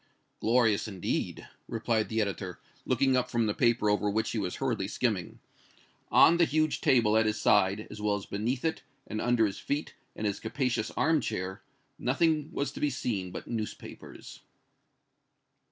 "Glorious, indeed!" replied the editor, looking up from the paper over which he was hurriedly skimming. On the huge table at his side, as well as beneath it, and under his feet and his capacious arm chair, nothing was to be seen but newspapers.